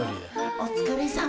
お疲れさま。